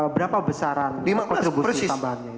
berapa besaran kontribusi tambahannya itu